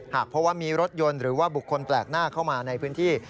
หากเพราะว่ามีรถยนต์หรือว่าบุคคลแปลกหน้าเข้ามาในพื้นที่